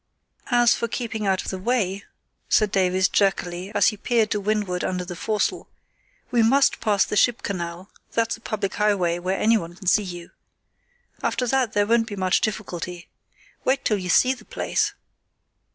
"As for keeping out of the way," said Davies, jerkily, as he peered to windward under the foresail, "we must pass the ship canal; that's a public highway, where anyone can see you. After that there won't be much difficulty. Wait till you see the place!"